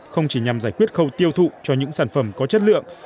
không chỉ nhằm giải quyết khâu tiêu thụ cho những sản phẩm có chất lượng